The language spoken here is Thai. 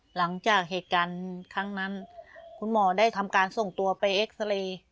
หลังจากเหตุการณ์ครั้งนั้นคุณหมอได้ทำการส่งตัวไปเอ็กซาเรย์